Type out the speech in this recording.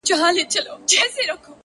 ځاى جوړاوه”